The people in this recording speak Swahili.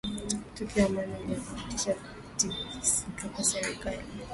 tukio ambalo linadhibitisha kutikisika kwa serikali